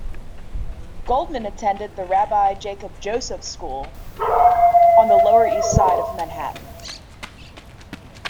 Goldman attended the Rabbi Jacob Joseph School on the Lower East Side of Manhattan.